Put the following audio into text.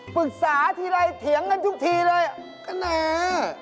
ปรึกษาทีไรเถียงกันทุกทีเลยก็แน่